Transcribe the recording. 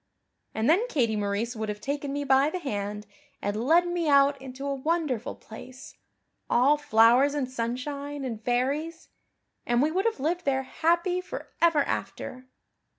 And then Katie Maurice would have taken me by the hand and led me out into a wonderful place, all flowers and sunshine and fairies, and we would have lived there happy for ever after.